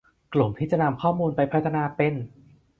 กลุ่มที่จะนำข้อมูลไปพัฒนาเป็น